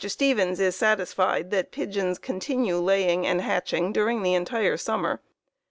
Stevens is satisfied that pigeons continue laying and hatching during the entire summer.